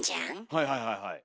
はいはいはいはい。